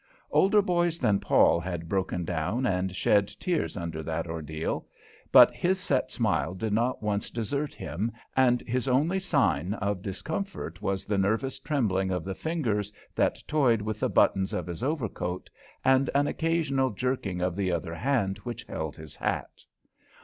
Older boys than Paul had broken down and shed tears under that ordeal, but his set smile did not once desert him, and his only sign of discomfort was the nervous trembling of the fingers that toyed with the buttons of his overcoat, and an occasional jerking of the other hand which held his hat.